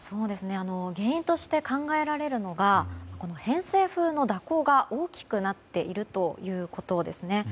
原因として考えられるのが偏西風の蛇行が大きくなっているということですね。